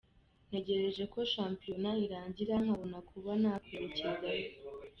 Ntegereje ko shampiyona irangira nkabona kuba nakwerecyezayo”.